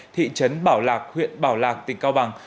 thị trấn bảo lạc huyện bảo lạc tỉnh cao bằng